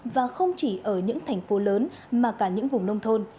và không chỉ ở những thành phố lớn mà cả những vùng nông thôn